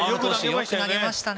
よく投げましたね。